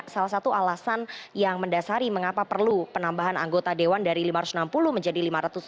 salah satu alasan yang mendasari mengapa perlu penambahan anggota dewan dari lima ratus enam puluh menjadi lima ratus tujuh puluh